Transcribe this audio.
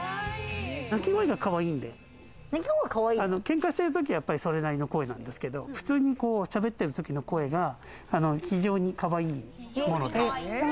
鳴き声がかわいいんで、喧嘩してる時は、それなりの声なんですけど、普通にしゃべってるときの声が非常にかわいい。